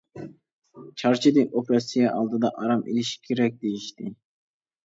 چارچىدى، ئوپېراتسىيە ئالدىدا ئارام ئېلىشى كېرەك، دېيىشتى.